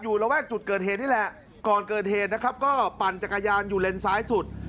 ระแวกจุดเกิดเหตุนี่แหละก่อนเกิดเหตุนะครับก็ปั่นจักรยานอยู่เลนซ้ายสุด